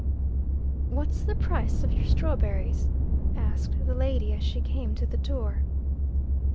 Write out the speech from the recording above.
"What's the price of your strawberries?" asked the lady, as she came to the door.